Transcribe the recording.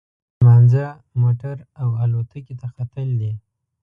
لمانځه، موټر او الوتکې ته ختل دي.